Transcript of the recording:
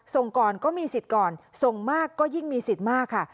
ส่งก่อนก็มีสิทธิ์ก่อนส่งมากก็ยิ่งมีสิทธิ์มากค่ะ